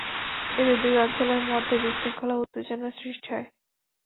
এতে দুই অঞ্চলের মধ্যে বিশৃঙ্খলা ও উত্তেজনা সৃষ্টি হয়।